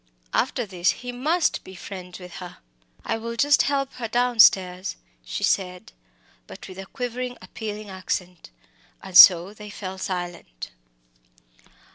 after this he must be friends with her. "I will just help to get her downstairs," she said, but with a quivering, appealing accent and so they fell silent.